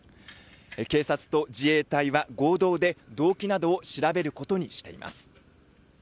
警察と自衛隊は合同で動機などを調べることにしています。